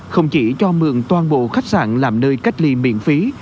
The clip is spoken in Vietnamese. không chỉ cho mượn toàn bộ khách sạn làm nơi cách ly miễn phí